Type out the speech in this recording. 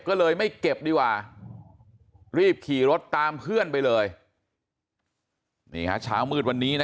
ก็เลยไม่เก็บดีกว่ารีบขี่รถตามเพื่อนไปเลยนี่ฮะเช้ามืดวันนี้นะ